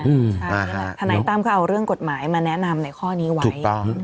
อืมอัฮะทนายตามเขาเอาเรื่องกฎหมายมาแนะนำในข้อนี้ไว้ถูกต้อง